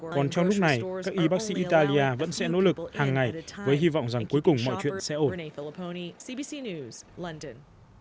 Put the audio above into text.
còn trong lúc này các y bác sĩ italia vẫn sẽ nỗ lực hàng ngày với hy vọng rằng cuối cùng mọi chuyện sẽ ổn